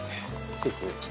そうですね。